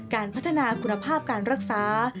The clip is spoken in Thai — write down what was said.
การพัฒนาคุณภาพการรักษา